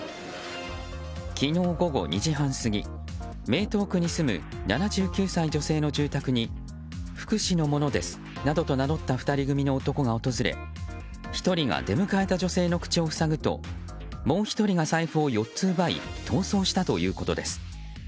昨日午後２時半過ぎ名東区に住む７９歳女性の住宅に福祉の者ですなどと名乗った２人組の男が訪れ１人が出迎えた女性の口を塞ぐともう１人が財布を４つ奪い逃走したということです。